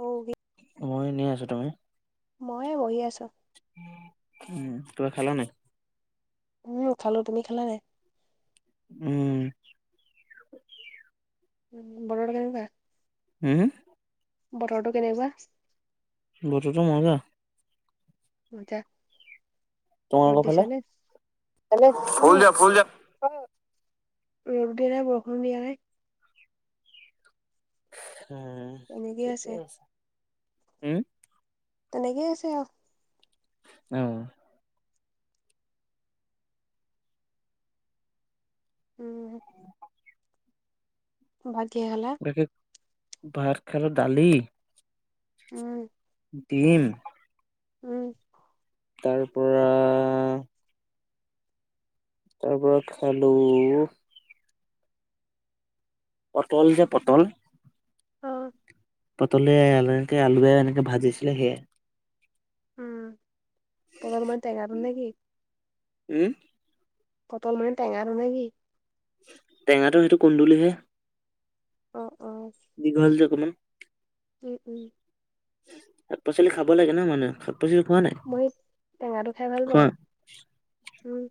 অ মই এনে আছো তুমি? ময়ে বহি আছো উম কিবা খালা নাই? উম খালো তুমি খালা নাই? উম। উ বৰ গা। হুম। বতৰটো কেনেকুৱা? বতৰতো মজা। মজা। ৰ'দ তোমালোকৰ দিছে ফালে নে অলপ অ ফুল যা ফুল যা। ৰ'দও দিয়া নাই বৰষুণও দিয়া নাই। উম, ঠিকেই আছে। উম? তেনেকে আছে আৰু। অঁ। উম। ভাত কিহে খালা? তাকে ভাত খালো দালি উম। দিম। উম। তাৰ পৰা। তাৰ পৰা খালো। পটল যে পটল। অঁ। পটল এনেকে আলুে এনেকে ভাজিছিলে সেয়া। উম পটল মান টেঙাটো নেকি? [unintelligible] পটল মানে টেঙাটো নেকি? টেঙাটো সেইটো কুন্দুলিহে। অঁ অঁ। দীঘল যে অকমান। উম উম। শাক -পাচলি খাব লাগে ন মানুহে শাক -পাচলি খোৱা নাই মই টেঙাটো খাই ভাল খোৱা? পাওঁ উম।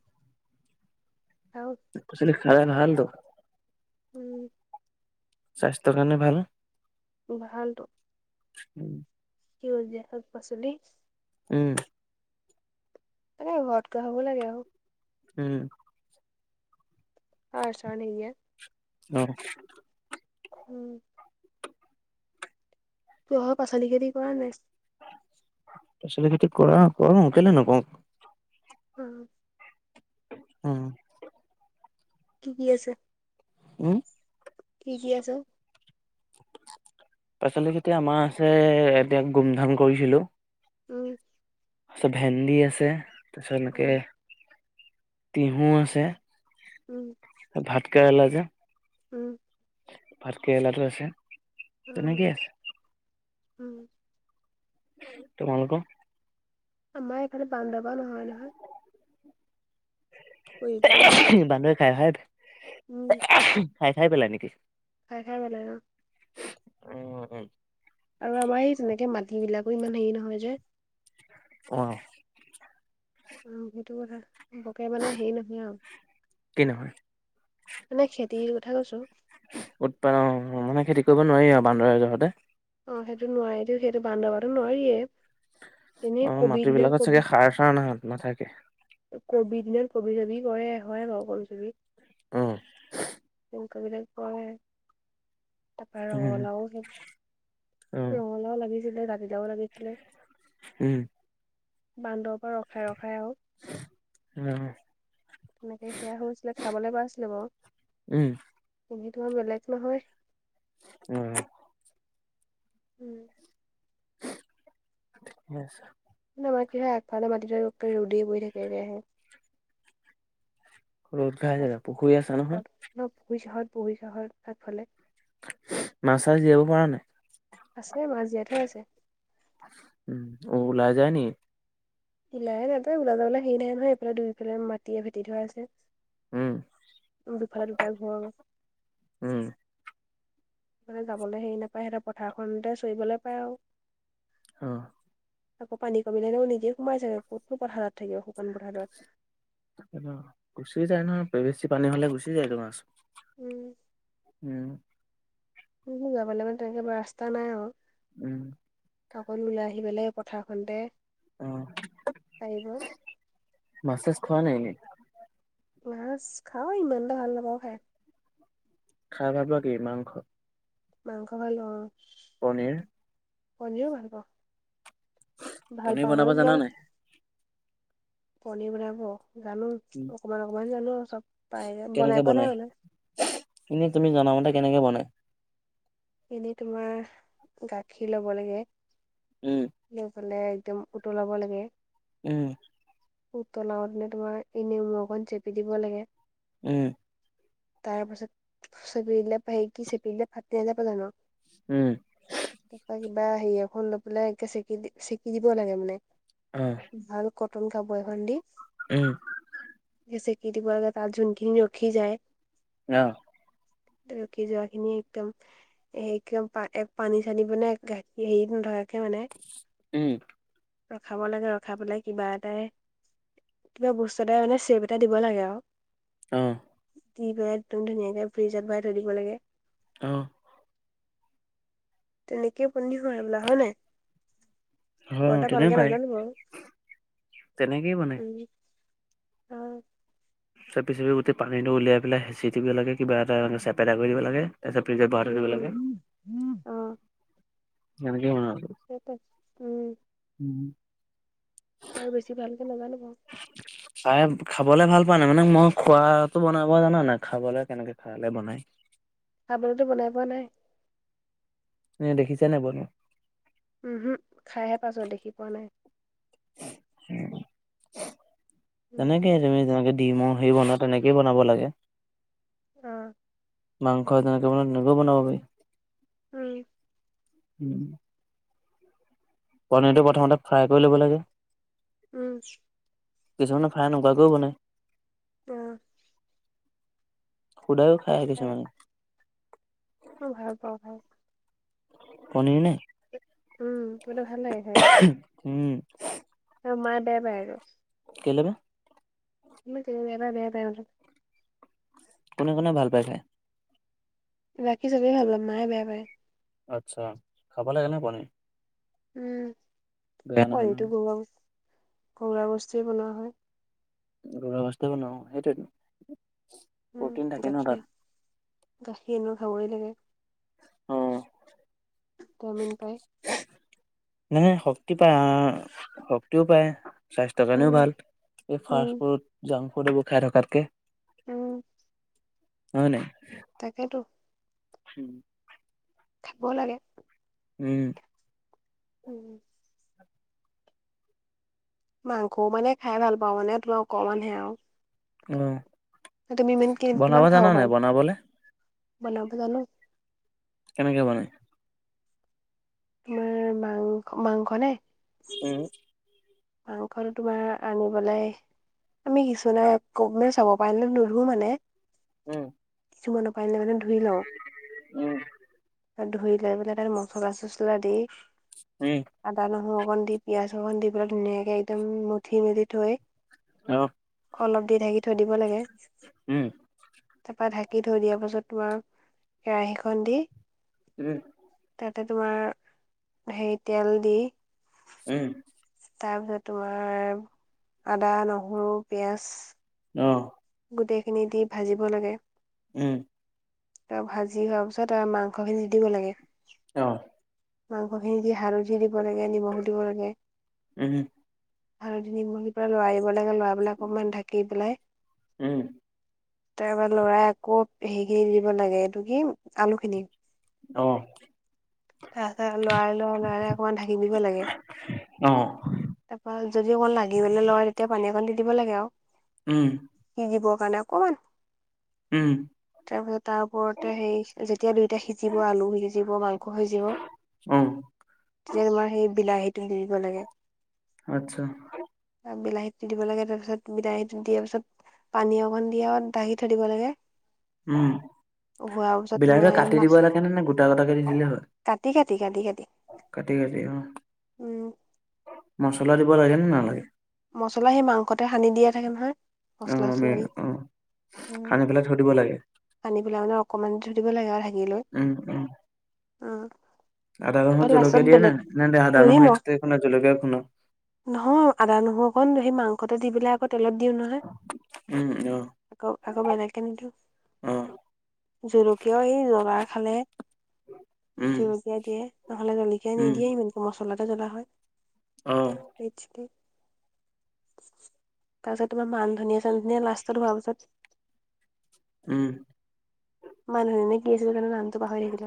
[unintelligible] পচ খাইা ন হালটো উম স্বাস্থ্যৰ কাৰণে ভাল ভালতো উম কি হল যোয় শাক পাচলি উম এান ঘৰতটো হ'ব লাগে আৰু উম হছানিয় অ উম তোৰহৰ পাচলি খেতি কৰা নাই পাচলিতি কৰা কৰ কেলেনো কক উম উম কি কি আছে উম কি কি আছো পাচলিকেইতিয়া আমাৰ আছে এতিয়া গুমধাম কৰিছিলোঁ উম তাৰপিছত ভেন্দি আছে তাৰপিছত উম এনেকে টতিহু আছে ওম ভাত খ লা যে উওম ভাতকেৰেলাো আছে অ তেনেকেই আছে উম ত কাল ক আমাৰ এইখালে বান্ধৱা নহয় নহয় বানদহে খাই ভ অ খাই খাই পেলাইা নেকি খাই খাই ভাল লাগে উম উম আৰু আমাৰ সেই তেনেকে মাটি বিলাকো ইমান হেৰি নহয় যে অ অ সেইটো কথা বকে মানে হেৰি নহয় আৰু কি নহয় মানে খেতিৰ কথা কৈছো উৎপাদন মানে খেতি কৰিব নোৱাৰি আৰু বান্দৰজহতে অ সেইটো নোৱাৰি দিও সেইটো বান্ধবো নোৱাৰিয়ে এনেই অ কবি মাটি দিনত বিলাকত কবি চাগে সাৰ চাৰ নাহাত নাথাকে কবি দিনত কবি ছবি কৰে হয় বাৰু কবি ছবি অঁ তেংক বিিলাক প তাৰাপৰা উম, ৰঙালাও খেই উম, ল লাও লাগিছিলে জতিলাও লাগিছিলে উম বান্দৰ পৰা ৰখাই ৰখাই আহক উম তেনেকে সেয়া হৈছিলে খাবলৈ পোৱা আছিলে বাৰু উম এনেইিতোাৰ বেলেগ নহয় উম উওম ঠিক আছে মানে আমাৰ কি হয় আগফালে মাটি ৰুদ বৈ থাকেে আহে ৰ'দ ঘা যাবা পুখুৰী আছ নহয় ন পুহী চাহত পুহী চাহৰ তাতফালে মাছ চাছ জীয়াব পৰা নাই আছে মা জীয়াই থৈ আছে উম ওলাই যায় নি নলাহে তা ওলা যাবওলে হেৰি নাই নহয় এইফালে দুইফাল মাটিয়ে ফেটি ধৰা উম আছে দুফালে দুটা ঘৰ উম মানে যাবলৈ হেৰি নাপায় সিহঁতে পথাৰখনতে চৰিবলৈ পায় আৰু অ আকৌ পান কমিলেও নিদে সোমাইাগে কত পথাৰত থাকিব শুকান পথাৰত গুচি যায় নয় বেছি পানী হলে গুচি যায় তোমাৰছ উম উম মোৰ যাবলৈ মানে তেনেকে ৰাস্তা নাই আৰু উম অকল ওলাই আহি পেলাই পথাৰখনতে অ পাৰিব মাছেজ খোৱা নাই নক মাছ খাও ইমানটা ভাল নাপাওঁ খাই খাই ভাবা কি মাংস মাংস ভালো অ পনীৰ পজিব পালিব পনীৰ বনাব জানা নাই পনিৰ বনাব জানো উম, অকমান অকমান জানো চব পাই বনাই পোৱা নাই মানে এনে তুমি জনামতে কেনেকে বনাই এনেই তোমাৰ গাখীৰ লব লাগে উম সফালে একদম উতলাব লাগে উম উতলাওতেনে তোমাৰ এইনেমু অক চেপি দিব লাগে উম তাৰ পাছত চেপৰিিললে পাহেক চেপিিলে ফাটি নয প্ৰধানক উম তাৰ কিবা হেৰি এখন লৈ পেলাই একে চেকি দি চেকি দিব লাগে মানে উম ভাল কটন কাপোৰ এখন দি উম সেই চেকি দিব লাগে তাত যোনখিনি ৰখি যায় অহ ত ৰখি যোৱা খিনি একদম একদম পা এক পানী চানী মানে গাখীৰ হেৰিত ধৰাকে মানে উম ৰখাব লাগে ৰখাব পেলাই কিবা এটাই কিবা বস্তু এটা মানে চেভ এটা দিব লাগে আৰু অহ দি পাই একদম ধুনীয়াকে ফ্ৰিজত ভৰাই থৈ দিব লাগে অহ তেনেকে পুন্ন হয় আৰু বোলা হয় নাই অ কটা ভালকে তেনেকুৱাই নাজানোব তেনেকেই বনাই উম অ চেপি চেপি গোটেই পানীটো উলিয়াই বেলে হেঁচি দিব লাগে কিবা এটা ‌মানে ‌চেপেটা কৰি দিব লাগে তাৰ পিছত পিজ্জ উম উম উও উও অহ এনেকে বনুৱা সেইটো উম উম আৰু বেছি ভালকে নাজানো বাও খাই খাবলে ভাল পোৱা নাই মানে মই খোৱাটো বনাব জানা নাই খাবলৈ কেনেকে ভালে বনাই। খাবলেটো বনাই পোৱা নাই। এ দেখিছে নাই বনোৱা উম হুো খাইহে পাইছোঁ দেখি পোৱা নাই উম উম তেনেকে তুমি যেনেকে দিম সেই বনোৱা তেনেকেই বনাব লাগে অহ মাংস তেনেকে বনাৱ তেনেকও বনাব পাৰি উম উম পনীৰটো প্ৰথমতে ফ্ৰাই কৰি ল'ব লাগে উম কিছুমানে ফ্ৰাই নকৰাকৈও বনাই অহ খুদাকো খাই কিছু মানে মই ভাল পাওঁ খাই। পণীৰ নে উম কিবা এটা ভাল খাই। হো উম অহ মায়ে বেয়া এইটো কেলে নো [unintelligible] কোনে কোনে ভাল পাইছে? ৰাখি চবে ভাল [unintelligible] মায়ে বেয়া পায়। আচ্ছা খাব লাগে নে বনে? উম, [unintelligible] বেয়া নহয় ঘৰুৱা বস্তুৱেই বনোৱা হয়। ঘৰুৱা বস্তুৱেই বনোৱা হয়, সেইটোৱেইটো উম, গাখীৰ গাখীৰ এনেও খাবই লাগে অ', তামিন পাই নাই শক্তি পায় শক্তিও পায়। স্বাস্থ্যৰ কাৰণেও উম, ভাল, এই উম, ফাষ্ট ফুড জাংক ফুড এইবোৰ খাই থকাতকে। উম, হয় নাই তাকেইতো উম, থাকিব লাগে উম, উম, মাংস মানে খাই ভাল পাওঁ মানে তোমাৰ অকমান হে আৰু অ তুমি ইমান কি বনাব কিমান খাব জানা নাই পাম বনাবলে বনাব জানো কেনেকে বনায়? তোমাৰ মাংস মাংস নে? উম, মাংসটো তোমাৰ আনিপেলাই আমি সিছু নাই ক' চাব পাৰিলে নোধো মানে উম, [unintelligible] মানে ধুই লওঁ উম, ধুই লৈ পেলাই তাতে মছলা চছলা দি উম, আদা নহুৰু অকণ দি পিয়াজ অকণ দি পেলাই ধুনীয়াকে একদম মোঠি মেলি থৈ অ', অলপ দি ঢাকি থৈ দিব লাগে। উম, তাৰপৰা ঢাকি থৈ দিয়া পাছত তোমাৰ কেৰাহীখন দি উম, তাতে তোমাৰ হেৰি তেল দি উম, তাৰপিছত তোমাৰ আদা নহুৰু পিয়াজ অ', গোটেইখিনি দি ভাজিব লাগে উম, ত' ভাজি হোৱাৰ পিছত আৰু মাংস খিনি দিব লাগে। অ', মাংসখিনি দি হালধি দিব লাগে নিমখ দিব লাগে উম আৰু যি মুহি পৰা লৰাই দিব লাগে লৰাই পেলাই অকমান ঢাকি পেলাই উম তাৰ পৰাই লৰাই আকৌ হেৰি খিনি দিব লাগে এইটো কি আলু খিনি অ তাৰপিছত লৰাই ল লৰাই ল অকণমান ঢাকি দিব লাগে অহ হয় তাৰপৰা যদি অকণ লাগিবলে লয় তেতিয়া পানী অকণ দি দিব লাগে আও উম সিজিব কাৰণে অকমান উম তাৰপিছত তাৰ ওপৰতে সেই যেতিয়া দুইটা সিজিব আলু সিজিব মাংস সিজিব অ তেতিয়া তোমাৰ সেই বিলাহীটো দি দিব লাগে আচ্ছা আৰু বিলাহীটো দি দিব লাগে তাৰপিছত বিলাহীটো দিয়াৰ পিছত পানী অকণ দি আও ঢাকি থৈ দিব লাগে উম হোৱাৰ পিছত বিলাহীটো তোমাৰ এই কাটি মাছ দিব লাগেনে নে গোটা গোটাকে দি দিলে হয় কাটি কাটি কাটি কাটি কাটি কাটি অ উম মচলা দিব লাগে নে নালাগে মছলা সেই মাংসতে সানি দিয়া থাকে নহয় অ মছলা মে, চছলা সেই অ সানি পেলাই থৈ দিব লাগে সানি পেলাই মানে অকণমান থৈ দিব লাগে আও ঢাকি লৈ উম উম উম আদা নহুৰ তাৰপৰা জলকীয়া লাষ্টত দিয়া নে বেলেগ আদা যদি নহৰু ম এক্সট্ৰা এখনত জলকীয়া এখনত নহয় আদা নহৰু অকন সেই মাংসতে দি পেলাই আকৌ তেলত দিও নহয় উম অ আকৌ আকৌ বেলেগকে নিদো অ', জলকীয়াও এই ৰঙাৰ খালে উম, জলকীয়া দিয়ে নহ'লে জলকীয়া উম, নিদিয়ে ইমানকে মচলাতে জ্বলা হয় অ এইট থাৰ্টি তাৰপিছত তোমাৰ মান ধুনীয়া চান ধুনীয়া লাষ্টত হোৱাৰ পাছত উম মানুহ এজনী কি আছিলে জানো নামটো পাহৰি থাকিলো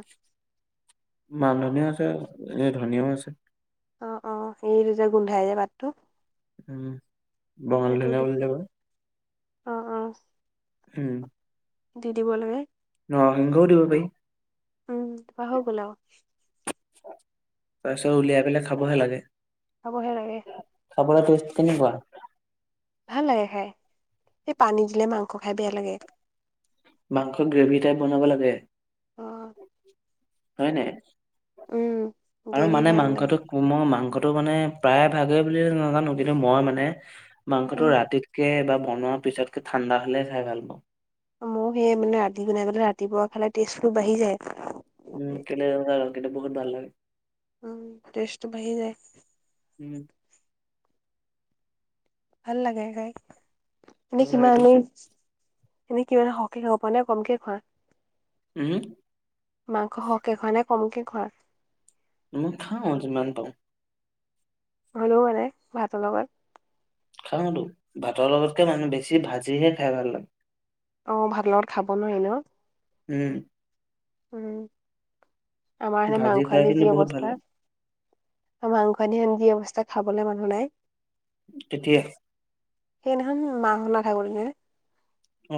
মানধনীয়াও আছে এনে ধনীয়াও আছে অ অ এইটো যে গোন্ধাই যে পাতটো উম বঙালী সেইটো ধুনীয়া দি বুলিও কয় অ অ উম দি দিব লাগে নৰ সিংহও দিব পাৰি উম তাপা হৈ গ'ল আও তাৰপিছত উলিয়াই পেলাই খাবহে লাগে খাবহে লাগে খাবলে টেষ্টটো কেনেকোৱা ভাল লাগে খাই সেই পানী দিলে মাংস খাই বেয়া লাগে মাংস গ্ৰেভি টাইপ বনাব লাগে অ', হয় নাই উম, আৰু গ্ৰেভি মানে ভাল লাগে। মাংসটো মই মাংসটো মানে প্ৰায় ভাগেই বুলি নাজানো কিন্তু মই মানে মাংসটো উম, ৰাতিত কে বা বনোৱাৰ পিছতকে ঠাণ্ডা হ'লে চাই ভাল পাওঁ মই সেই মানে ৰান্ধি গুনাই গলে ৰাতিপুৱা খালে টেষ্টো বাঢ়ি যায় উম কি বহুত নালাগে উম টেষ্ট বাঢ়ি যায় উম ভাল লাগে খাই এ ভাল লাগেতো সমানেই এনে কি এ [inaudible] সহে খ পোৱা নে গমকে খোৱা উম সম মাংসক এ ঘ নাই কমকে ঘৰত মই খাওঁজমান পওঁ হ'লও মানে ভাতৰ লগত খাওঁতো ভাতৰ লগতকে মানুহ বেছি ভাজিহে খাই ভাল লাগে অ ভাল লগত খাব নয় এ ন উম উম আমাৰ সেতে ভাজি মাংস খাই আনি কিন্তু যি বহুত ভাল অৱস্থা লাগে মাংসহন দি অৱস্থা খাবলৈ মানুহ নাই তেতিয়া সেইদিনাখন মাসলা থাকল নে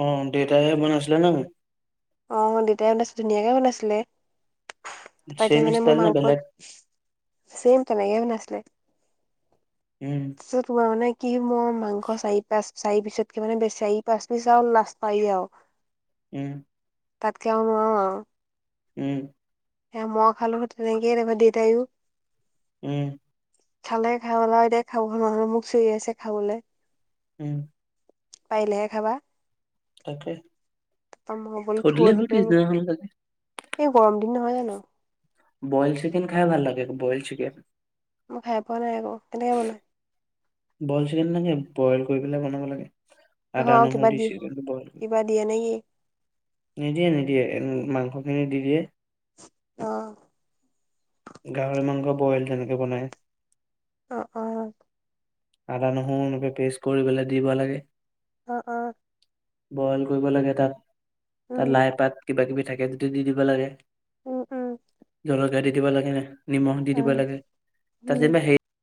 অ দেউটাই হে বনাই আছিলল নে নাই অ মানে দেউতাই ধুনীয়াকে বনাইছিলে পাইতি চেম মানে মোৰ ষ্টাইল নে বেলেগ মাংসত চেম তেনেকে শ নাছিলে উম পিছত তোমাৰ কি মোৰ মাংস চাৰি পাঁচ চাৰি পিছতকে মানে বেচাৰি পাঁচ পিছ আৰু লাষ্ট পায় আৰু উম তাতকৈও নোৱাৰো আৰু উম এ মই খালো তেনেকেইে ত দেউতাইও উম খালে খাই বলা এতিয়া খাব মানে মোক চৰি আছে খাবলৈ উম পাৰিলেহে খাবা তাকে মই বোলো থৈ দিলেই হ'ল দিব পিছদিনাখন লাগে এই গৰম দিন নহয় জানো বইল চিকেন খাই ভাল লাগে বইল চিকেন মই খাই পোৱা নাই আকৌ কেনেকে বনাই বইল চিকেনাগে বইল কৰিেলাই বনাব লাগে নহয় আদা আৰু কিবা নহৰু দি দিয়ে চন বইল কৰি কিবা দিয়ে নেকি নিদিয়ে নিদিয়ে মাংসখিনি দি দিয়ে অ গাহৰি মাংস বইল তেনেকে বনায় অ অ আদা নহৰু এনেকে পেষ্ট কৰি পেলাই দিব লাগে অ অ বইল কৰিব লাগে তাত তাত উম লাই পাত কিবা কিবি থাকে যদি দি দিব লাগে উম উম জলকীয়া দি দিব লাগে নিমখ দি দিব উম লাগে তাত উম যেনিবা সেই